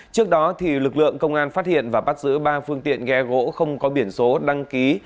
trước đó lực lượng công an phát hiện và bắt giữ ba phương tiện ghe gỗ không có biển số đăng ký